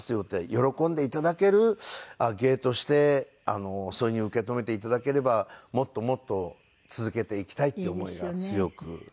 喜んで頂ける芸としてそういうふうに受け止めて頂ければもっともっと続けていきたいっていう思いが強くはい。